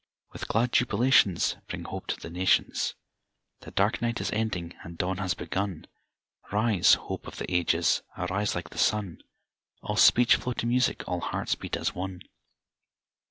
With glad jubilations Bring hope to the nations The dark night is ending and dawn has begun Rise, hope of the ages, arise like the sun, All speech flow to music, all hearts beat as one!